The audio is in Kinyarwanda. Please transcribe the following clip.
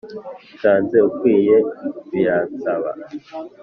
nsanze ukwiye biransaaba,